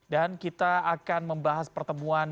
dan kita akan membahas pertemuan